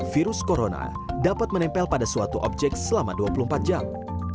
virus corona dapat menempel pada suatu objek selama dua puluh empat jam